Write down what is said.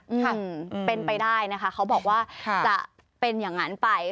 ค่ะเป็นไปได้นะคะเขาบอกว่าจะเป็นอย่างนั้นไป